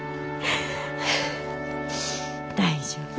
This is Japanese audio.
大丈夫よ。